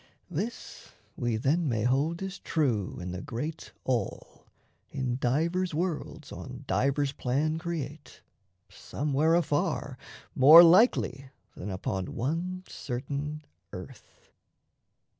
This We, then, may hold as true in the great All, In divers worlds on divers plan create, Somewhere afar more likely than upon One certain earth.)